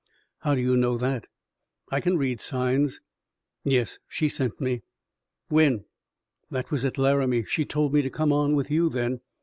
"How do you know that?" "I kin read signs." "Yes, she sent me." "When?" "That was at Laramie. She told me to come on with you then.